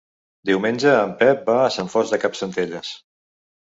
Diumenge en Pep va a Sant Fost de Campsentelles.